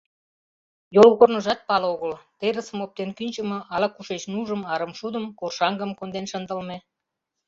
Йолгорныжат пале огыл: терысым оптен кӱнчымӧ, ала-кушеч нужым, арымшудым, коршаҥгым конден шындылме.